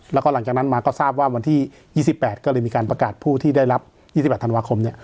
แล้วก็หลังจากนั้นมาก็ทราบว่าวันที่๒๘ก็เลยมีการประกาศผู้ที่ได้รับ๒๘ธันวาคม